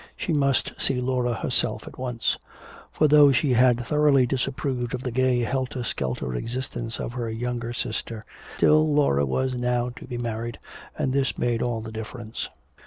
She must see Laura herself at once. For though she had thoroughly disapproved of the gay helter skelter existence of her youngest sister, still Laura was now to be married, and this made all the difference.